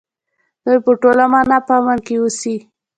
دوی په ټوله مانا په امن کې اوسي.